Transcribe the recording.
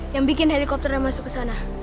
yang bikin helikopternya masuk ke sana